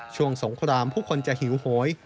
สงครามผู้คนจะหิวโหย